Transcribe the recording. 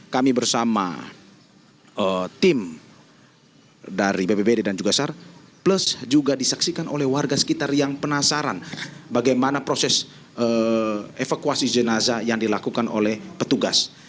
kami bersama tim dari bbbd dan juga sar plus juga disaksikan oleh warga sekitar yang penasaran bagaimana proses evakuasi jenazah yang dilakukan oleh petugas